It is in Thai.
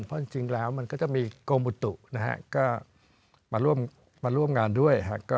เพราะจริงแล้วมันก็จะมีกรมบุตุนะฮะก็มาร่วมงานด้วย